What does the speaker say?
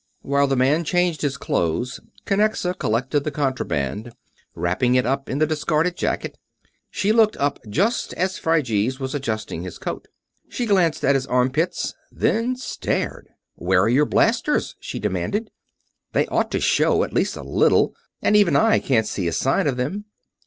While the man changed clothes, Kinnexa collected the contraband, wrapping it up in the discarded jacket. She looked up just as Phryges was adjusting his coat. She glanced at his armpits, then stared. "Where are your blasters?" she demanded. "They ought to show, at least a little, and even I can't see a sign of them."